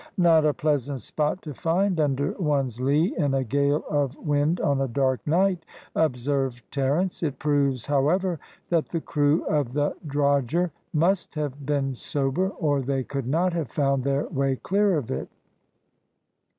"Not a pleasant spot to find under one's lee in a gale of wind on a dark night," observed Terence. "It proves, however, that the crew of the drogher must have been sober, or they could not have found their way clear of it."